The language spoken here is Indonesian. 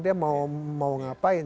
dia mau ngapain